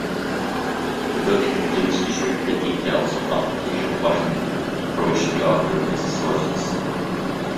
The book includes descriptive details of official Washington, for which the author lists sources.